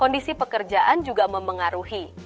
kondisi pekerjaan juga memengaruhi kebahagiaan